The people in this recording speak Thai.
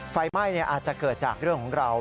ไฟไหม้อาจจะเกิดจากเรื่องของเรา